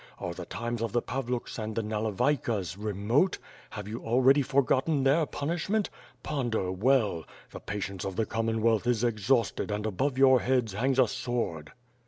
Are the times of the Pavluks and the Nalevaykas 140 WITH FIRE AND SWORD. remote? Have you already forgotten their punishment? Ponder well! the patience of the Commonwealth is exhausted and above your heads hangs a sword."